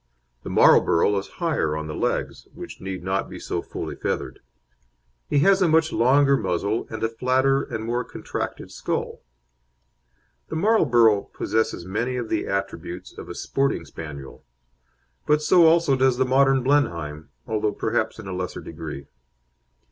The Marlborough is higher on the legs, which need not be so fully feathered. He has a much longer muzzle and a flatter and more contracted skull. The Marlborough possesses many of the attributes of a sporting Spaniel; but so also does the modern Blenheim, although perhaps in a lesser degree.